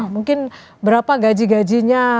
mungkin berapa gaji gajinya